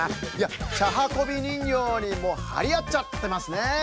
いやちゃはこびにんぎょうにもうはりあっちゃってますね。